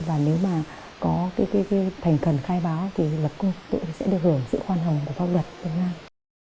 và nếu mà có cái thành khẩn khai báo thì lập công tội sẽ được hưởng sự hoan hồng của pháp luật việt nam